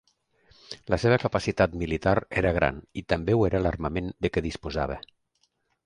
La seva capacitat militar era gran i també ho era l'armament de què disposava.